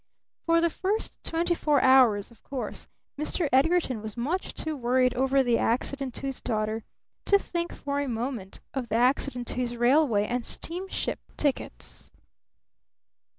For the first twenty four hours, of course, Mr. Edgarton was much too worried over the accident to his daughter to think for a moment of the accident to his railway and steamship tickets.